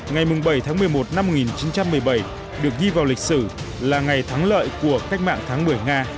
ngày bảy tháng một mươi một năm một nghìn chín trăm một mươi bảy được ghi vào lịch sử là ngày thắng lợi của cách mạng tháng một mươi nga